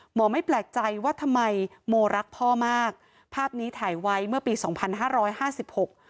ไม่แปลกใจว่าทำไมโมรักพ่อมากภาพนี้ถ่ายไว้เมื่อปีสองพันห้าร้อยห้าสิบหก